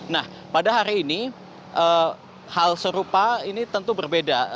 nah pada hari ini hal serupa ini tentu berbeda